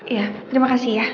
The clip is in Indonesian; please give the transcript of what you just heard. iya terima kasih ya